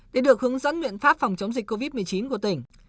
để được hướng dẫn biện pháp phòng chống dịch covid một mươi chín của tỉnh